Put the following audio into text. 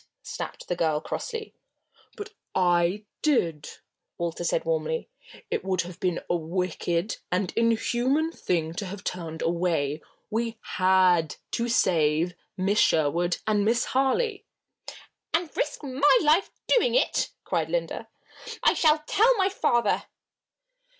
snapped the girl, crossly. "But I did," Walter said warmly. "It would have been a wicked and inhuman thing to have turned away. We had to save Miss Sherwood and Miss Harley." "And risk my life doing it!" cried Linda. "I shall tell my father."